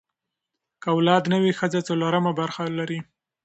که اولاد نه وي، ښځه څلورمه برخه لري.